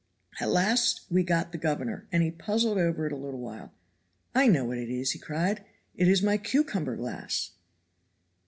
At last we got the governor, and he puzzled over it a little while. 'I know what it is,' cried he, 'it is my cucumber glass.'"